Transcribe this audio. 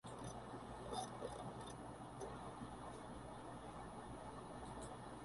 Casi un tercio de la producción fue suministrada al Reino Unido.